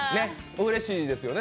うれしいですよね